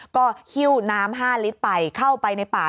ก็หิ้วน้ำ๕ลิตรไปเข้าไปในป่า